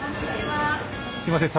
すみません